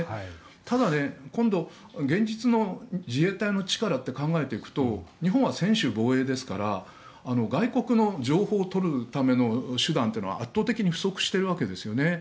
ただ、今度、現実の自衛隊の力って考えていくと日本は専守防衛ですから外国の情報を取るための手段というのは圧倒的に不足しているわけですよね。